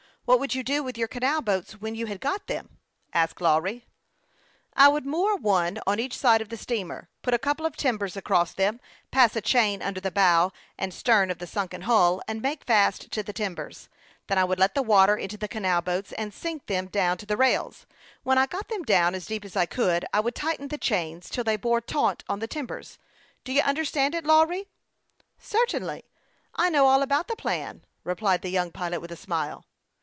What would you do with your canal boats when you had got them ?" asked Lawry, who knew perfectly well what plan his brother was about to propose. " I would moor one on each side of the steamer, put a couple of timbers across them, pass a chain under the bow and stern of the sunken hull, and make fast to the timbers. Then I would let the water into the canal boats, and sink them down to the rails. When I got them down as deep as I 130 HASTE AND WASTE, OR could, I would tighten the chains, till they bore taut on the timbers. Do you understand it, Lawry ?"" Certainly ; I know all about the plan," replied the young pilot, with a smile.